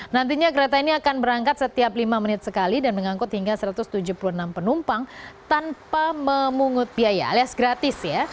nantinya kereta ini akan berangkat setiap lima menit sekali dan mengangkut hingga satu ratus tujuh puluh enam penumpang tanpa memungut biaya alias gratis ya